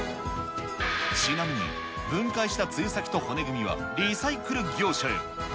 ちなみに分解した露先と骨組みはリサイクル業者へ。